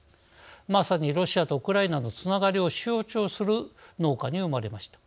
まさにロシアとウクライナのつながりを象徴する農家に生まれました。